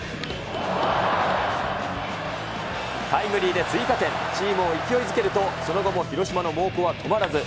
タイムリーで追加点、チームを勢いづけると、その後も広島の猛攻は止まらず。